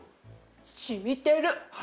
染みてる。